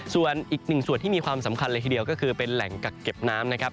ส่วนอีกหนึ่งส่วนที่มีความสำคัญเลยทีเดียวก็คือเป็นแหล่งกักเก็บน้ำนะครับ